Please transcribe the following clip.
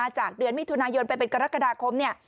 จากเดือนมิถุนายนไปเป็นกรกฎาคมเนี่ย